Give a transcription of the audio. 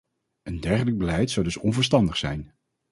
Een dergelijk beleid zou dus onverstandig zijn.